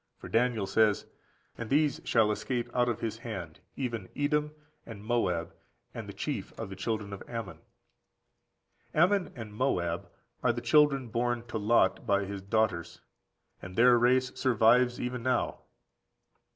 For Daniel says, "And these shall escape out of his hand, even Edom, and Moab, and the chief of the children of Ammon."15111511 Dan. xi. 41. Ammon and Moab15121512 Gen. xix. 37, 38. are the children born to Lot by his daughters, and their race survives even now.